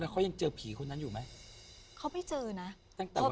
เขายังเจอผีคนนั้นอยู่ไหมเขาไม่เจอนะตั้งแต่